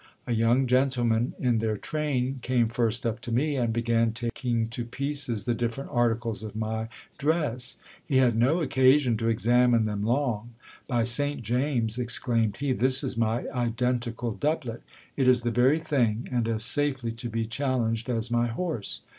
A young gentleman in their train came first up to me, and began taking to pieces the different articles of my cress. He had no occasion to examine them long. By Saint James, exclaimed he, this is my identical doublet ! It is the very thing, and as safely to be chal lenged as my horse.